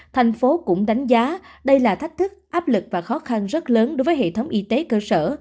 thành phố cũng đánh giá đây là thách thức áp lực và khó khăn rất lớn đối với hệ thống y tế cơ sở